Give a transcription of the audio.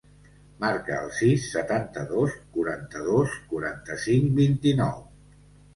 Marca el sis, setanta-dos, quaranta-dos, quaranta-cinc, vint-i-nou.